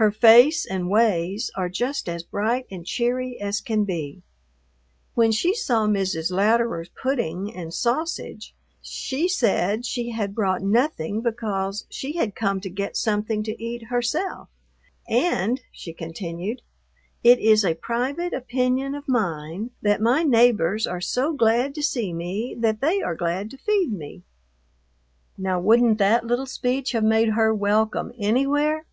Her face and ways are just as bright and cheery as can be. When she saw Mrs. Louderer's pudding and sausage she said she had brought nothing because she had come to get something to eat herself, "and," she continued, "it is a private opinion of mine that my neighbors are so glad to see me that they are glad to feed me." Now wouldn't that little speech have made her welcome anywhere?